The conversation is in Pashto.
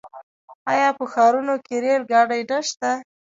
آیا په ښارونو کې ریل ګاډي نشته؟